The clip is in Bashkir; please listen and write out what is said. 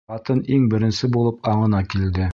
Ҡатын иң беренсе булып аңына килде.